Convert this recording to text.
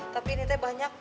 tapi ini teh banyak